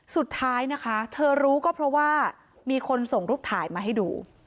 สุดท้ายนะคะเธอรู้ก็เพราะว่ามีคนส่งรูปถ่ายมาให้ดู